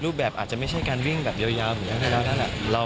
รูปแบบอาจจะไม่ใช่การวิ่งแบบยาวเหมือนเท่านั้นแหละ